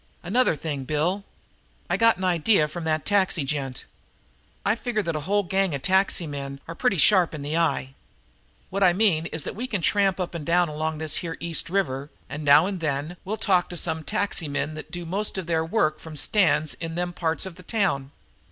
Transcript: "Another thing, Bill. I got an idea from that taxi gent. I figure that whole gang of taxi men are pretty sharp in the eye. What I mean is that we can tramp up and down along this here East River, and now and then we'll talk to some taxi men that do most of their work from stands in them parts of the town.